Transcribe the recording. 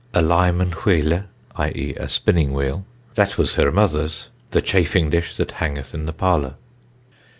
a lynnen whelle (i.e., spinning wheel) that was hir mothers, the chaffing dish that hangeth in the parlor."